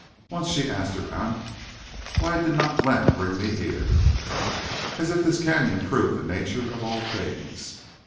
Once she asked her aunt: "Why did not Glenn bring me here?" As if this Canyon proved the nature of all things!